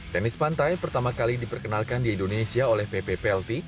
tenis pantai pertama kali diperkenalkan di indonesia oleh ppplt